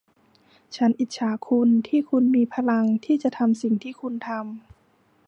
ฉันอิจฉาคุณที่คุณมีพลังที่จะทำสิ่งที่คุณทำ